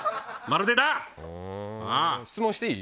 質問していい？